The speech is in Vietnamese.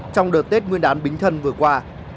trong đợt tết nguyên đán bính thân vừa qua